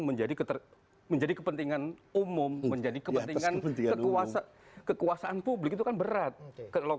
menjadi kepentingan umum menjadi kepentingan kekuasaan kekuasaan publik itu kan berat kalau